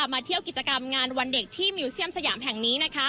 มาเที่ยวกิจกรรมงานวันเด็กที่มิวเซียมสยามแห่งนี้